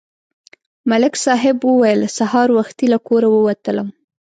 ملک صاحب وویل: سهار وختي له کوره ووتلم